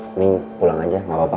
mending pulang aja gak apa apa